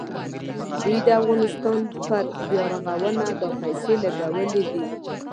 دوی د افغانستان پر بیارغونه دا پیسې لګولې دي.